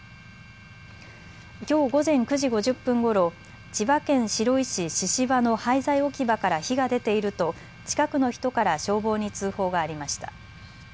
きょう午前９時５０分ごろ、千葉県白井市神々廻の廃材置き場から火が出ていると近くの人から消防に通報がありました。